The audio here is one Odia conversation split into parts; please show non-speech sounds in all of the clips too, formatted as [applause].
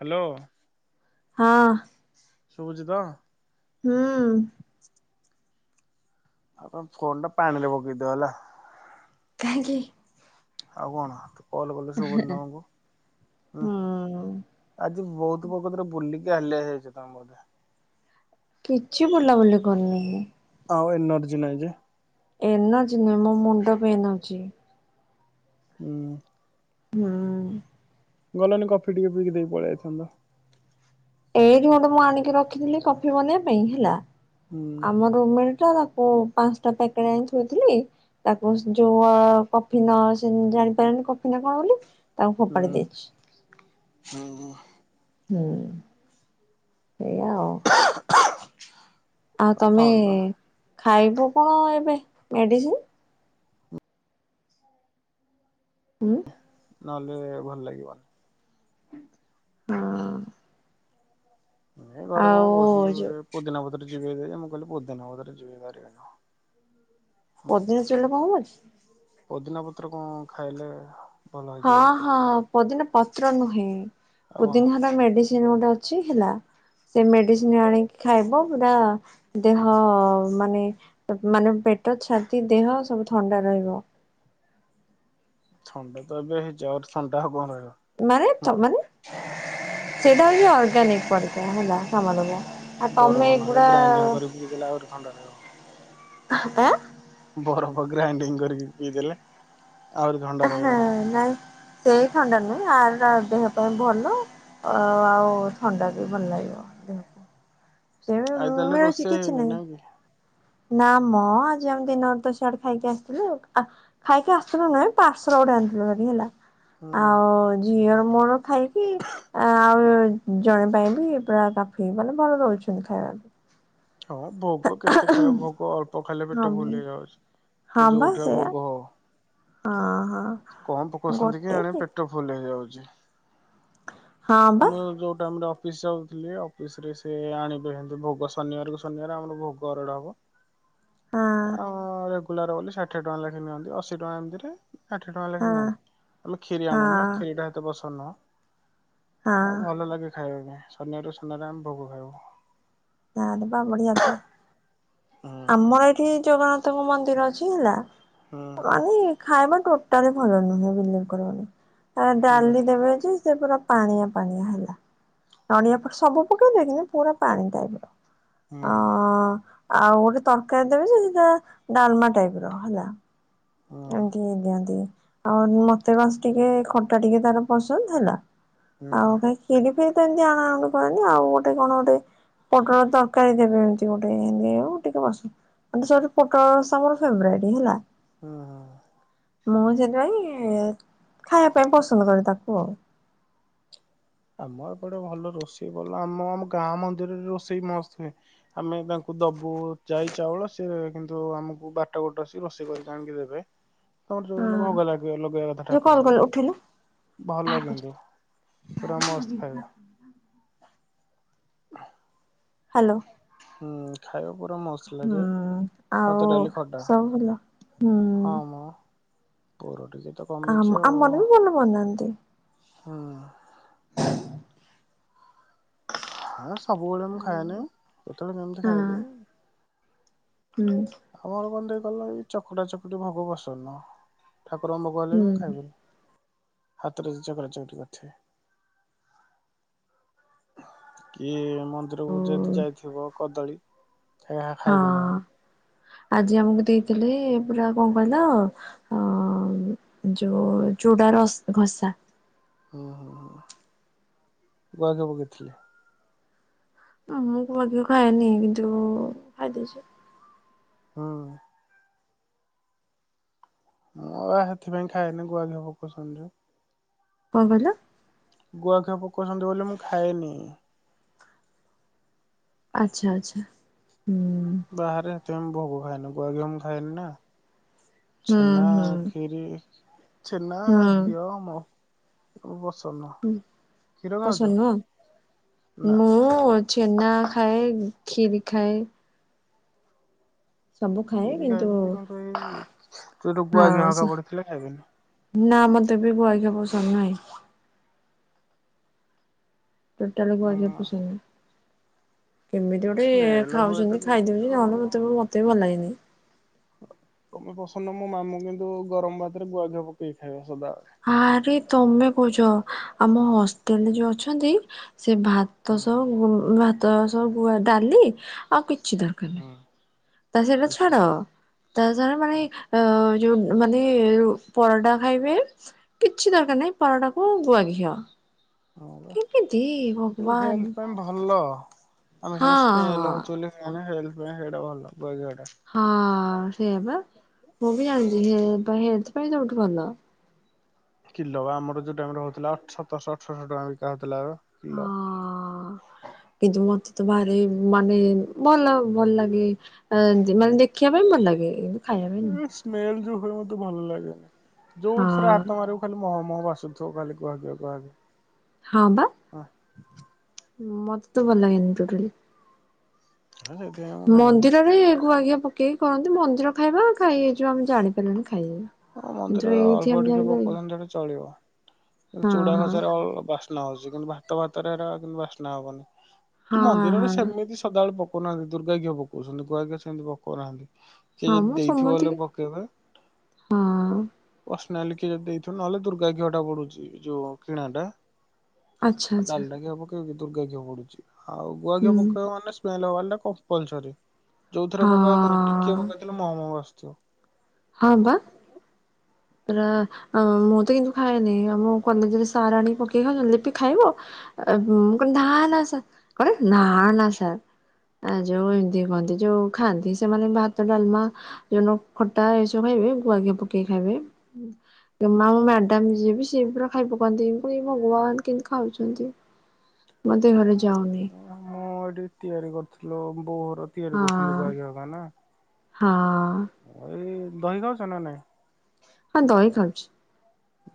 ହ୍ୟାଲୋ। ହଁ। ଶୁଭୂଚି ତ। ହୁଁ। ଆପଣ ଫୋନଟା ପାଣିରେ ପକେଇଦିଅ ହେଲା। କାହିଁକି? ଆଉ କଣ ହ। କଲ୍ କଲେ ସୁବୁନି ତମକୁ। ହୁଁ। ଆଜି ବହୁତ [unintelligible] ପ୍ରକତରେ ବୁଲିଲି ହାଲିଆ ହେଇଯାଇଛ ତମେ ଵୋଧେ କିଛି ବୁଲାବୁଲି କରିନି। ଆଉ ଏନର୍ଜି ନାହି ଯେ ଏନର୍ଜି ନୁହେଁ ମୋ ମୁଣ୍ଡ ବିନ୍ଧୁଛି। ହୁଁ। ହୁଁ। ଗଲନି କଫି ଟିକେ ପିଇକି ଦେଇକି ପଳେଇ ଆସିଥାନ୍ତ। ଏଇଠି ଗୋଟେ ମୁଁ ଆଣିକି ରଖିଥିଲି କଫି ବନେଇବା ପାଇଁ ହେଲା ହୁଁ ଆମ ରୁମ ମେଟ୍ ତାକୁ ପାଞ୍ଚଟା ପ୍ୟାକେଟ ଆଣି ଥୋଇଥିଲି ତାକୁ ଯୋଉ ହଁ କଫି ନ [unintelligible] ଜାଣିପାରିଲାନି କଫି ନା କଣ ବୋଲି ତାଙ୍କୁ ଫୋପାଡି ହୁଁ ଦେଇଛି ହୁଁ ହୁଁ ସେଇଆା ଆଉ ଆଉ ତମେ ଥଣ୍ଡା ଖାଇବ କଣ ଏବେ ମେଡିସିନ ହୁଁ। ନହେଲେ ଭଲ ଲାଗିବନି। ହଁ। ନ ଘରେ କଣ ଆଉ କହୁଛନ୍ତି ଯୋଉ ଗୋଟେ ପୁଦିନା ପତ୍ର [unintelligible] ଜିିବିଦାର ମୁଖିଲ ପୁଧ ନାଧରେ ଜିିବିଦାର [unintelligible] [unintelligible] ଅଦିନଜୁଲ୍ଲା [unintelligible] ପଦିନା ପତ୍ର କଣ ଖାଇଲେ? ଭଲ ହଁ ହେଇଯିବ ବୋଲି ହଁ ପୋଦିନା ପତ୍ର ନୁହେଁ ଆଉ କଣ ପୋଦିନା ର ମେଡ଼ିସିନ୍ ଗୋଟେ ଅଛି ହେଲା ସେ ମେଡିସିନ ଆଣିକି ଖାଇବ। ପୁରା ଦେହ ମାନେ ମାନେ ପେଟ ଛାତି ଦେହ ସବୁ ଥଣ୍ଡା ରହ ରହିବ। ଥଣ୍ଡା ତ ଏବେ ହେଇଛି ଆଉ ଥଣ୍ଡା ହଉ କଣ ରହିବ? ମାନେ ତ ମାନେ ସେଇଟା ହଉଛି ଅର୍ଗାନିକ [unintelligible] ପଥା ହେଲା। [unintelligible] ମଲବ ଆଉ ବରଫ ତମେ ନହେଲେ ଏଗୁଡା ଗ୍ରାଇଣ୍ଡିଙ୍ଗ କରି ପିଇଦେଲେ ଆହୁରି ଥଣ୍ଡା ରହିବ। [unintelligible] ବରଫ ଗ୍ରାଇଣ୍ଡିଙ୍ଗ କରିକି ପିଇ ଦେେଲେ ଆହୁରି ଥଣ୍ଡା ରହିବ। ଆଁ ନାଇଁ ସେଇ ଥଣ୍ଡା ନୁହେଁ ଆରଟା ଦେହ ପାଇଁ ଭଲ ଓ ଆଉ ଥଣ୍ଡା ବି ଭଲ ଲାଗିବ ଦିହକୁ ଆଇ ତାହେଲେ ରୋଷେଇ ହେଇନି ନାଇଁ କି। ନା ମ ଆଜି ଆମେ ଦିନରେ ତ ଶିଆଡେ ଖାଇକି ଆସିଥିଲୁ ଆ ଖାଇକି ଆସିଥିଲୁ ନୁହେଁ ପାର୍ସର ଗୋଟେ ଆଣିଥିଲୁ ଭାରି ହେଲା ହୁଁ। ଆଉ ଝିଅର ମୋର ଖାଇକି ଆଉ ଜଣେ ପାଇଁ ବି ପୁରା କାଫି ମାନେ ଭଲ ଦଉଛନ୍ତି ଖାଇବା ଆ। ହଁ ଭୋଗ କେତେ ଖାଇବ ଭୋଗ ଅଳ୍ପ ଖାଇଲେ ପେଟ ହଁ ଫୁଲ୍ ହେଇ ଯାଉଛି। ହଁ ସେ ବା ଯୋଉଠିଆ ସେଇଆ ଭୋଗ ହଉ। ହଁ ହଁ କଣ ପକଉଛନ୍ତି କି ଆଣି ପେଟ ଫୁଲ ହେଇଯାଉଛି। ହଁ ବା ଆମର ଯୋଉ ଟାଇମ ର ଅଫିସ ଯାଉଥିଲି ଅଫିସ ରେ ସେ ଆଣିବେ ହେିତି ଭୋଗ ଶନିବାରକୁ ଶନିବାର ଆମର ଭୋଗ ଅରଡ ହବ ହଁ ଆଁ କୁଲାର ବୋଲି ଷାଠିଏ ଟଙ୍କା ଲେଖାଇ ନିଅନ୍ତି ଅଶୀଟଙ୍କା ଏମିତି ରେ ଷାଠିଏ ଟଙ୍କା ଲେଖେ ହଁ ନିଅନ୍ତି ଆମେ କ୍ଷୀରି ଆଣୁନା ହଁ କ୍ଷୀରି ଟା ତ ପସନ୍ଦ ନୁହଁ। ଆଉ ହଁ ଭଲ ଲାଗେ ଖାଇବା ପାଇଁ ଶନିବାର ରୁ ଶନିବାର ଆମେ ଭୋଗ ଖାଉ। ଆରେ ୱା ବଢିଆ ତ। ହୁଁ ଆମର ଏଠି ଜଗନ୍ନାଥଙ୍କ ମନ୍ଦିର ଅଛି ହେଲା ହୁଁ ମାନେ ଖାଇବା ଟୋ ତାରେ ଭଲ ନୁହେଁ ବିଲିଭ କରିବନି ଆ ହୁଁ ଡାଲି ଦେବେ ଯେ। ସେ ପୁରା ପାଣିଆ ପାଣିଆ ହେଲା ନଡିଆ ପ ସବୁ ପକେଇବେ କିନ୍ତୁ ପୁରା ପାଣି ଟାଇପ ର। ହୁଁ। ଅ ଆଉ ଗୋଟେ ତରକାରୀ ଦେବେ ଯେ ସେଟା ଡାଲମା ଟାଇପ ର ହେଲା। ହୁଁ ଏତିକି ଦିଅନ୍ତି ଆଉ ମତେ ବାସ ଟିକେ ଖଟା ଟିକେ ତାର ପସନ୍ଦ ହେଲା। ଆଉ ହୁଁ କାହିଁ ଖିରି ଫିରି ତ ଏମିତି ଆଣାଆଣି କରନ୍ତି ଆଉ ଗୋଟେ କଣ ଗୋଟେ। ପୋଟଳ ତରକାରୀ ଦେବେ ଏମତି ଗୋଟେ ଏମିତି ଆଉ ଏତିକି ବସ। ଆ ସେଠି ପୋଟଳ ରସା ମୋର ଫେବରେଟ ହେଲା। ହୁଁ ହୁଁ। ମୁଁ ସେଥିପାଇଁ ଖାଇବା ପାଇଁ ପସନ୍ଦ କରେ ତାକୁ ଆଉ। ଆମ ଏପଟେ ଭଲ ରୋଷେଇ ଭଲ ଆମ ଆମ ଗାଁ ମନ୍ଦିରରେ ରୋଷେଇ ମସ୍ତ୍ ହୁଏ ଆମେ ତାଙ୍କୁ ଦବ ବୁ ଯାଇ ଚାଉଳ ସେ କିନ୍ତୁ ଆମକୁ ବାରଟା ଗୋଟେ ଆସି ରୋଷେଇ କରିକି ଆଣିକି ଦେବେ। ତମର ଯୋଉ ଦିନ ହଁ ଭୋଗ ଲାଗିବା ଲଗେଇବା କଥା ଯୋଉ କଲ୍ ଠାକୁରଙ୍କୁ କଲେ ଉଠେଇଲୁ ଭଲ ବାହାରକୁ ଯା କିନ୍ତୁ। ପୁରା ମସ୍ତ ଖାଇବା। ଆ ହାଲୋ। ହୁଁ ଖା ଖାଇବା ପୁରା ମସ୍ତ୍ ହୁଁ ଲାଗେ ଆଉ ଭାତ ଡାଲି ଖଟା ସବୁ ଭଲ ହୁଁ ହଁ ମ। ପର ଆମ ଆମର ବି ଭଲ ବନାନ୍ତି। ହୁଁ। [unintelligible] ହେ ସବୁବେଳେ ମୁଁ ହଁ ଖାଏନି କେତେବେଳେ କେମିତି ଖାଇଦିଏ। ହୁଁ ଆମର କଣ ଟିକେ କହିଲ ଏଇ ଚକୁଟା ଚକୁଟି ଭୋଗ ପସନ୍ଦ ନୁହଁ। ଠାକୁରଙ୍କ ଭୋଗ ହେଲେ ହୁଁ ବି ମୁଁ ଖାଇବିନି। ହାତରେ ଚକଟା ଚକଟି କରିଥିବେ। କିଏ ମନ୍ଦିରକୁ ଯଦି ଯାଇଥିବ କଦଳୀ। ସେ ଖା-ଖାଇବିନୁ। ହଁ ଆଜି ଆମକୁ ଦେଇଥିଲେ ପୁରା କଣ କହିଲ ଅ ଯୋଉ। ଚୁଡ଼ାର ଘସା। ହୁଁ ହୁଁ ହୁଁ ଗୁଆଘିଆ ପକେଇଥିଲେ। ମୁଁ ଗୁଆଘିଅ ଖାଏନି କିନ୍ତୁ ଖାଇ ଦେଇଛି। ହୁଁ। ମୁଁ ବା ସେଥିପାଇଁ ଖାଏନି ଗୁଆଘିଅ ପକଉଛନ୍ତି ଯୋଉ। କଣ କହିଲ? ଗୁଆଘିଆ ପକଉଛନ୍ତି ବୋଲି ମୁଁ ଖାଏନି। ଆଚ୍ଛା ଆଚ୍ଛା। ହୁଁ ବାହାରେ ସେଥିପାଇଁ ମୁଁ ଭୋଗ ଖାଏନି ଗୁଆଘିଅ ମୁଁ ଖାଏନି ନା। ଛେନା ହୁଁ ଖିରି ଛେନା ହୁଁ ଘିଅ ମ। ଓ ପସ ହୁଁ ପସନ୍ଦ ନା ନୁହଁ ମୁଁ ଛେନା। ଖାଏ ଖିରି ଖାଏ। ସବୁ ଖାଏ କ୍ଷିରି କିନ୍ତୁ ଖାଇବି କିନ୍ତୁ ଏଇ ସେଇଠୁ ହଁ ଗୁଆ ଘିଅ ସେ ହେକା ପଡିଥିଲେ ଖାଇବିନି। ନା ମତେ ବି ଗୁଆ ଘିଆ ପସନ୍ଦ ନାହିଁ। ଟୋଟାଲ ଗୁଆଘିଅ ପସନ୍ଦ ନାହିଁ। କେମିତି ଗୋଟେ ସ୍ମେଲ ହୁଏ ତ ଖାଉଛନ୍ତି କେମିତି ଖାଇଦଉଛି ଆଉ। ନହେଲେ ମତେ ମତେ ବି ଭଲ ଲାଗେନି। ତମେ ପସନ୍ଦ ମୋ ମାମୁଁ କିନ୍ତୁ ଗରମ ଭାତରେ ଗୁଆଘିଅ ପକେଇକ ଖାଇବେ ସଦା ଆରେ ତମେ କଉଚ ଆମ ହଷ୍ଟେଲରେ ଯୋଉ ଅଛନ୍ତି। ସେ ଭାତ ହୁଁ ସବୁ ଭାତ ସବୁୁ ଡାଲି ଆଉ କିଛି ଦରକାର ହୁଁ ନାହିଁ। ତା ସେଇଟା ବିଷ ଛାଡ ତା [unintelligible] ମାନେ ଅ ଯୋଉ ମାନେ ପରଟା ଖାଇବେ କିଛି ଦରକାର ନାହିଁ ପରଟାକୁୁ ଗୁଆ ଘିଅ। ହଁ ପା କେମିତି କିନ୍ତୁ ଭଗବାନ। ହେଲଥ ପାଇଁ ଭଲ। ଆମେ ହଁ ସିନା ହଁ ସ୍ମେଲ ହଉଚି ବୋଲି ଆମେ ହେଲଥ ପାଇଁ ସେଇଟା ଭଲ ଗୁଅଘିଅ ଟା। ହଁ ସେଆ ପା ମୁଁ ବି ଜାଣିଛି ହେଲ୍ଥ ପାଇଁ ସବୁଠୁ ଭଲ। କିଲୋ ଆମର ଯୋଉଟାଇମ ରଉଥିଲା ଅଠ ସତଶହ ଅଠରଶହ ଟଙ୍କା ବିକା ହେଉଥିଲା ବା ହଁ କିନ୍ତୁ ମତ୍ ତ ଭାରି ମାନେ ଭଲ ଭଲ ଲାଗେ ଆ ମାନେ ଦେଖିବା ପାଇଁ ଭଲ ଲାଗେ। ଖାଇବା ପାଇଁ ନୁହଁ ସ୍ମେଲ ଯୋଉ ହୁଏ ମତେ ଭଲ ଲାଗେନି ଯୋଉଠି ରେ ହଁ ହାତ ମାରିବ ଖାଲି ମହ ମ କ ବସୁଥିବ ଖାଲି ଗୁଆଘିଅ ଗୁଆଘିଅ। ହଁ ବା। ମତେ ତ ଭଲ ଲାଗେନି ଟୋଟାଲି। ହଁ ସେଥିପାଇଁ ମୁଁ ଖାଏନି। ମନ୍ଦିରରେ ଗୁଆଘିଅ ପକେଇକି କରନ୍ତି ମନ୍ଦିର ଖାଇବା ଖାଇ ହେଇଯିବ ଆମେ ଜାଣିପାରୁନି। ଖାଇବା ହଁ ମନ୍ଦିର କିନ୍ତୁ ଏଇଠି ଅଳ୍ପ ଆମେ ଟିକେ ଜାଣିବାକି ପକଉଛନ୍ତି ହେଲେ ଚଳିବ। ଚୁଡା ଖସା ଅ ବାସ୍ନା ହଉଚି କିନ୍ତୁ ଭାତ ଭାତରେ ଏରା କିନ୍ତୁ ବାସ୍ନା ହବନି। ତୁ ହଁ ମନ୍ଦିରରେ ହଁ ସେମିତି ସଦାବେଳେ ପକଉନାହାନ୍ତି ଦୁର୍ଗା ଘିଅ ପକଉଛନ୍ତି ଗୁଆ ଘିଅ ସେମିତି ପକଉନାହାନ୍ତି। କି ହଁ ଯଦି ମୁଁ ଦେଇଥିବ ବଲେ ସମତିକି ପକେଇବେ। ହଁ ପସନାଲିକ ଯଦି ଦେଇଥିବ ନହେଲେ ଦୁର୍ଗା ଘିଅ ଟା ପଡୁଚି ଯୋଉ କିଣା ଟା। ଆଚ୍ଛା ଆଉ ଆଚ୍ଛା। ଡାଲଡା ଘିଅ ଦୁର୍ଗା ଘିଅ ପଡୁଛି ଆଉ ହୁଁ ଗୁଆଘିଅ ପକେଇବା ମାନେ ସ୍ମେଲ ହବ ମନେ କମ୍ପଲ୍ସରୀ। ଯୋଉଥିରେ ହଁ ପକାଅତ ଟିକିଏ ପକେଇଦେଲେ ମହ ମହ ବାସୁଥୁବ। ହଁ ବା। ରା ଆଁ ମୁଁ ତ କିନ୍ତୁ ଖାଏନି ଆମ କଲେଜରେ ସାର ଆଣିକି ପକେଇ ଖାଉଛନ୍ତି ଲିପି ଖାଇବ ଆ। ମୁଁ କହିଲି ନାଁ ନାଁ ସାର୍ କଣ ନାଁ ନାଁ ସାର୍। ଆ ଯୋଉ ଏମିତି କୁହନ୍ତି ଯୋଉ ଖାଆନ୍ତି ସେମାନେ ଭାତ ଡାଲମା ଯୋଉ ଖ ଟା ଏସବୁ ଖାଇବେ ଗୁଆଘିଅ ପକେଇକି ଖାଇବେ। ଏ ମା ଆମ ମ୍ୟାଡାମ ଯିଏ ବି ସିଏ ପୁରା ଖାଇ ପକାନ୍ତି ଏ ଭଗବାନ କେମତି ଖାଉଚନ୍ତି? ମୋତେ ଘରେ ଯ ମୁଁ ଏଠି ତିଆରି କରୁଥିଲୁ ବୋଉ ଘର ତିଆରି କରୁଛନ୍ତି ହଁ ଗୁଆଘିଅ ରା ନା। ହଁ। ଏଇ ଦହି ଖାଉଚ ନା ନାଇଁ? ହଁ ଦହି ଖାଉଚି।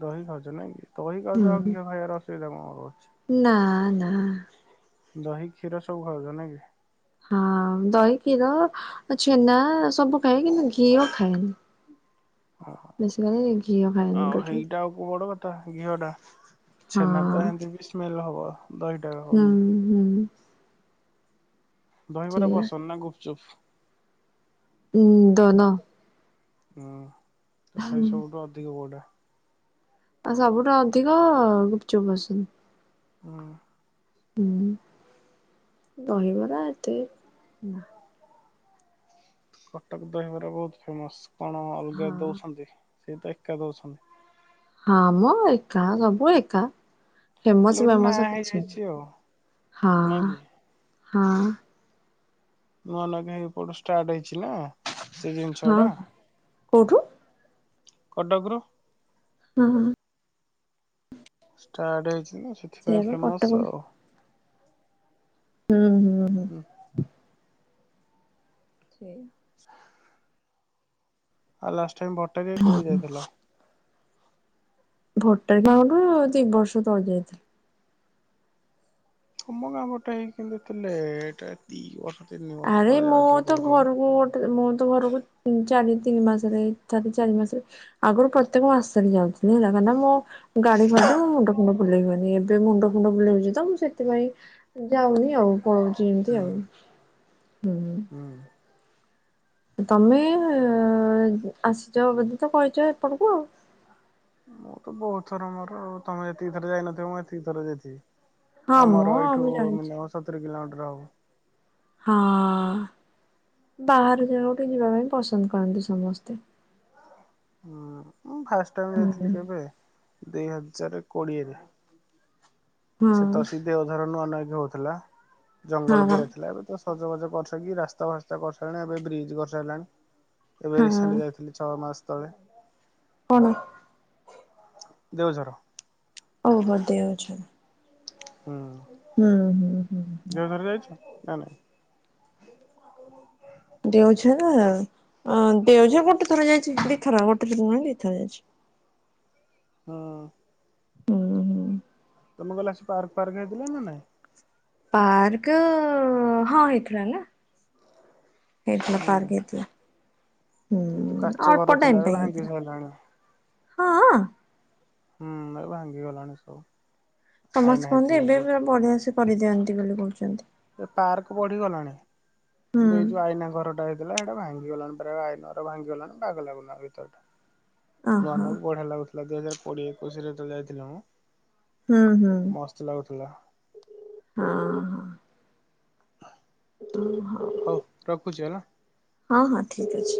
ଦହି ଖାଉଚ ନାଇଁ କି ଦହି ଖାଉଚ ଆଉ ଘିଅ ଖାଇବାର ଅସୁବିଧା କଣ ର ନା ନା। ଦହି କ୍ଷୀର ସବୁ ଖାଉଚ ନା କି? ହଁ ଦହି କ୍ଷୀର ଆଉ ଛେନା ସବୁ ଖାଏ କିନ୍ତୁ ଘିଅ ଖାଏନି। ବେଶିକାଲି ଘିଅ ଖାଏନି ଆଉ ଟୋଟାଲି। ହେଇଟା ଆଉ କଉ ବଡ କଥା। ଘିଅ ଟା ହଁ ଛେନା ତ ଏମତି ବି ସ୍ମେଲ ହବ ଦହିଟା ହବ ହୁଁ ବି। ହୁଁ ଦହିିବରା ସେଇଆ ପସନ୍ଦ ନା ଗୁପଚୁପ? ହୁଁ ଦୋନୋ। ହୁଁ ତଥାପି ସବୁଠୁ ଅଧିକ କୋଉଟା? ଆ ସବୁଠୁ ଅଧିକ ଅ ଗୁପଚୁପ୍ ପସନ୍ଦ। ହୁଁ। ହୁଁ ଦହିିବରା ଏତେ ବି ନା କଟକ ଦହିବରା ବହୁତ ଫେମସ କଣ ଅଲଗା ହଁ ଦଉଛନ୍ତି? ସେଇ ତ ଏକା ଦଉଛନ୍ତି। ହଁ ମ ଏକା ସବୁ ଏକା। ହେଲେ ଫେମସ୍ ଗୋଟେ ନାଁ ବେମସ କିଛି ହେଇଯାଇଛି ନାଇଁ ଆଉ ହଁ ନାଇଁ କି? ହଁ। ନୂଆ ଲଗ୍ ଆଇପଡ ଷ୍ଟ୍ରାଟ ହେଇଚି। ଛି ନା ସେ ଜିନିଷ ହଁ ଟା। କୋଉଠୁ କଟକ ରୁ। ହୁଁ ହୁଁ ହୁଁ। ଷ୍ଟ୍ରାଟ୍ ହେଇଚି ନା ସେଇଆ ସେଥିପାଇଁ ବା କଟକ ଫେମସ୍ ଆଉ। ହୁଁ ହୁଁ ହୁଁ। ସେୟା। ଆଉ ଲାଷ୍ଟ ଟାଇମ୍ ଭଟ୍ଟାରିକା କେବେ ଯାଇଥିଲ? ଭଟ୍ଟାରି ଗାଁକୁ ଦି ବର୍ଷ ତଳେ ଯାଇଥିଲି। ତୁମ ଗାଁ ପଟେ ହେଇକି କେମିତି ଏତେ ଲେଏଏଟ୍ ଦି ବର୍ଷ। ତିନି ବର୍ଷ ଆରେ ତଳେ ମୁଁ ଯାଉଥିଲ ତ କହୁଛ ମ। ଘରକୁ ଗୋଟେ ମୁଁ ତ ଘରକୁ। ଉଁ ଚାରି ତିନି ମାସରେ ଚାରି ଚାରି ମାସରେ ଆଗରୁ ପ୍ରତ୍ୟେକ ମାସରେ ଯାଉଥିଲି। ହେଲା କାଁ ନା ମୁଁ ଗାଡି ଫାଡିରେ ମୋ ମୁଣ୍ଡ ଫୁଣ୍ଡ ବୁଲେଇହୁଏନି ଏବେ ମୁଣ୍ଡ ଫୁଣ୍ଡ ବୁଲୋଉଚି ତ ମୁଁ ସେଥିପାଇଁ ଯାଉନି ଆଉ ପଳଉଚି ଏମିତି ହୁଁ ଆଉ ହୁଁ। ହୁଁ। ତମେ ଆସିଚ ବୋଧେ ତ କହିଚ ଏପଟକୁ ଆଉ। ମୁଁ ତ ବହୁତ ଥର ମୋର ତମେ ଯେତିକି ଥର ଯାଇନଥିବ ମୁଁ ଏତିକି ଥରେ ଯାଇଥିବି। ହଁ ମ ଆମର ଏଇଠୁ ମୁଁ ଜାଣିଛି ମିନିମମ୍ ସତୁରି କିଲୋମିଟର ହବ। ହଁ। ବାହାର ଜାଗାକୁ ଟିକେ ଯିବା ପାଇଁ ପସନ୍ଦ କରନ୍ତି ସମସ୍ତେ। ହୁଁ ମୁଁ ଫାଷ୍ଟ ଟାଇମ୍ ଯାଇଥିଲି କେବେ ଦୁଇ ହଜାରେ କୋଡିଏରେ। ହଁ ସେ ତ ଅସି ଦେଓଧର ନୂଆ ନାଇ ହଉଥିଲା। ଜଙ୍ଗଲ ହଁ। ପୁର ଥିଲା ଏବେ ତ ସଜ ବାଜ କରିସାରିକି ରାସ୍ତା ଫାସ୍ତା କରିସାଇଲାଣି ଏବେ ବ୍ରିଜ କରିସାଇଲାଣି। ଏବେ ହଁ ରିସେଣ୍ଟ ଯାଇଥିଲି ଛଅ ମାସ ତଳେ। ପୁଣି। ଦେଓଝର। ଓହୋ ଦେଓଝର। ହୁଁ ହୁଁ ହୁଁ ହୁଁ ହୁଁ। ଦେଓଝର ଯାଇଛ ନା ନା। [unintelligible] ଅଁ ଦେଓଝର ଗୋଟେ ଥର ଯାଇଚି ଦି ଥର ଗୋଟେ ଥର ନୁହଁ ଦି ଥର ଯାଇଚି। ହଁ। ହୁଁ ହୁଁ। ତମେ ଗଲା ଆସି ପାର୍କ ଫାର୍କ ହେଇଥିଲା ନା ନାଇଁ। ପାର୍କ ହଁ ହେଇଥିଲା ନା। ହେଇଥିଲା ହୁଁ ପାର୍କ ହେଇଥିଲା। ହୁଁ ଏଇ ଯୋଉ କାଚ ଘର ଅଳ୍ପ ଥିଲା ଟାଇମ୍ ଏବେ ପାଇଁ ଭାଙ୍ଗି ହେଇଥିଲା ସାରିଲାଣି। ହଁ। ହୁଁ ଏ ଭାଙ୍ଗିଗଲାଣି ସବୁ। ଆଇନା ସମସ୍ତ କୁହନ୍ତି ହେଇଥିଲା ଏବେ ଯୋଉ ବି ବଢିଆ ସେ କରିଦିଅନ୍ତି ବୋଲି କହୁଚନ୍ତି। ଏ ପାର୍କ ବଢିଗଲାଣି। ହୁଁ କିନ୍ତୁ ଏଇ ଯୋଉ ଆଇନା ଘରଟା ଥିଲା ସେଇଟା ଭାଙ୍ଗିଗଲାଣି ପରା ଆଇନା ଟା ଭାଙ୍ଗିଗଲାଣି ବାଗ ଲାଗୁନି ଆଉ ଭିତର ଟା। ନୂଆ ଓହୋ। ନୂଆ କି ବଢିଆ ଲାଗୁଥିଲା ଦୁଇ ହଜାର କୋଡିଏ ଏକୋଇଶି ରେ ଯେତେବେଳେ ଯାଇଥିଲି ମୁଁ। ହୁଁ ହୁଁ ମସ୍ତ ଲାଗୁଥିଲା। ହଁ ହ। ହଉ ରଖୁଛି ହେଲା। ହଁ ହଁ ଠିକ ଅଛି।